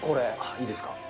いいですか？